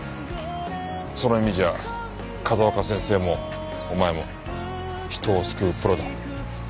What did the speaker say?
その意味じゃ風丘先生もお前も人を救うプロだ。